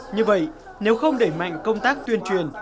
như vậy nếu không đẩy mạnh công tác tuyên truyền